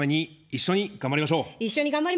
一緒に頑張りましょう。